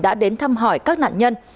đã đến thăm hỏi các nạn nhân